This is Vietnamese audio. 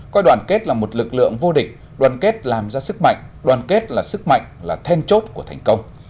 coi đoàn kết là một lực lượng vô địch đoàn kết làm ra sức mạnh đoàn kết là sức mạnh là then chốt của thành công